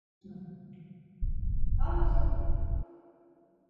თუ გუნდს გოლის გატანის დაუოკებელი სურვილი არ ამოძრავებს, ის ღირებულს ვერაფერს შექმნის.